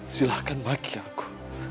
silahkan bagi aku